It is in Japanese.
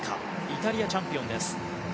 イタリアチャンピオンです。